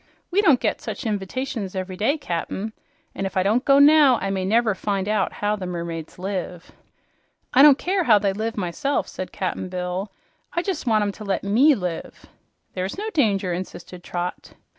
"We don't get such inv'tations every day, Cap'n, and if I don't go now I may never find out how the mermaids live." "I don't care how they live, myself," said Cap'n Bill. "I jes' want 'em to let ME live." "There's no danger," insisted Trot.